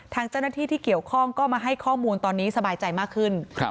ทางเจ้าหน้าที่ที่เกี่ยวข้องก็มาให้ข้อมูลตอนนี้สบายใจมากขึ้น